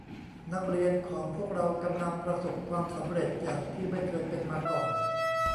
นักเรียนของพวกเรากำลังประสบความสำเร็จอย่างที่ไม่เคยเป็นมาก่อน